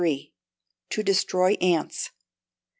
To Destroy Ants.